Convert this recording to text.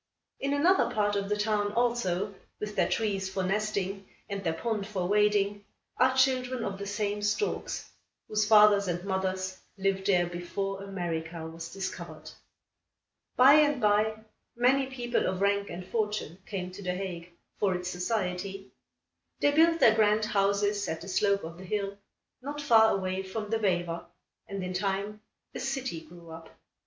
In another part of the town, also, with their trees for nesting, and their pond for wading, are children of the same storks, whose fathers and mothers lived there before America was discovered. By and by, many people of rank and fortune came to The Hague, for its society. They built their grand houses at the slope of the hill, not far away from the Vijver, and in time a city grew up.